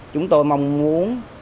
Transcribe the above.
chúng tôi mong muốn